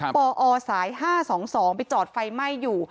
ปอสาย๕๒๒ไปจอดไฟไหม้อยู่